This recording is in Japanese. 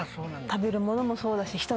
食べるものもそうだし。